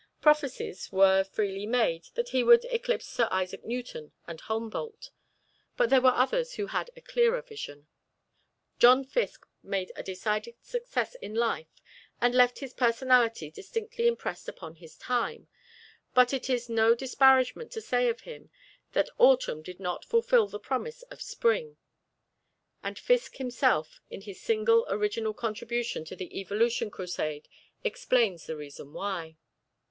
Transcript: Prophecies were freely made that he would eclipse Sir Isaac Newton and Humboldt. But there were others who had a clearer vision. John Fiske made a decided success in life and left his personality distinctly impressed upon his time, but it is no disparagement to say of him that Autumn did not fulfil the promise of Spring. And Fiske himself in his single original contribution to the evolution crusade explains the reason why.